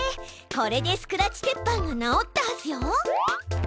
これでスクラッチ鉄板が直ったはずよ。